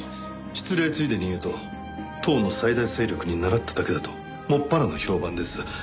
失礼ついでに言うと党の最大勢力に倣っただけだともっぱらの評判です。